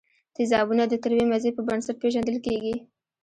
تیزابونه د تروې مزې په بنسټ پیژندل کیږي.